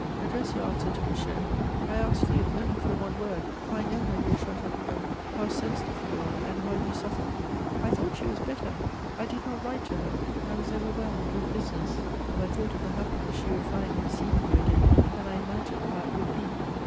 Address your answer to Michaud: I ask you only for one word, for I know, my dear Chateaubriand, how sensitive you are, and how you suffer. I thought she was better; I did not write to her; I was overwhelmed with business; but I thought of the happiness she would find in seeing you again, and I imagined how it would be.